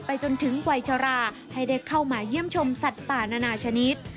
จนถึงวัยชราให้ได้เข้ามาเยี่ยมชมสัตว์ป่านานาชนิด